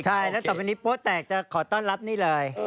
ต่อไปนี้โป๊ะแตกจะขอต้อนรับนี่เลย